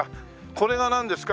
これはなんですか？